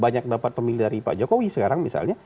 banyak dapat pemilih dari pak jokowi sekarang misalnya